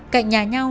cạnh nhà nhau